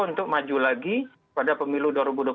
untuk maju lagi pada pemilu dua ribu dua puluh